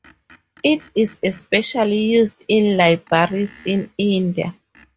It is especially used in libraries in India.